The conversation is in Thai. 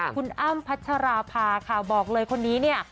คุณอ้ำพัชราภาค่ะบอกเลยคนนี้เนี่ย